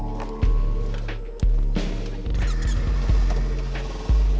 saya sudah malam